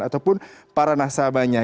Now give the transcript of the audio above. ataupun para nasabahnya